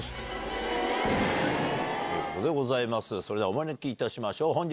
それではお招きいたしましょう。